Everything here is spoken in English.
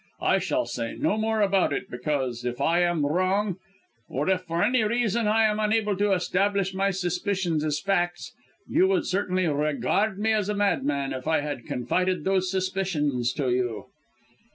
I shall say no more about it, because if I am wrong, or if for any reason I am unable to establish my suspicions as facts, you would certainly regard me as a madman if I had confided those suspicions to you."